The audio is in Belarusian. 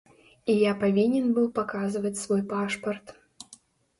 І я павінен быў паказваць свой пашпарт.